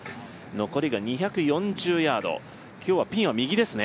残りが２４０ヤード、今日はピンは右ですね。